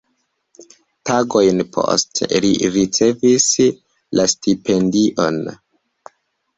Tagojn poste, li ricevis la stipendion.